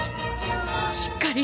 しっかり！